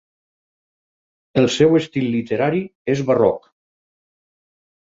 El seu estil literari és barroc.